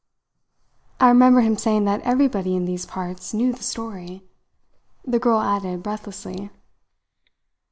"I remember him saying that everybody in these parts knew the story," the girl added breathlessly.